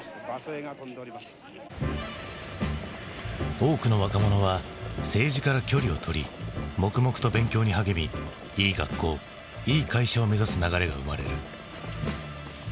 多くの若者は政治から距離をとり黙々と勉強に励みいい学校いい会社を目指す流れが生まれる。